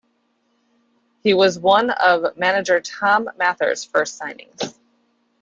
He was one of manager Tom Mather's first signings.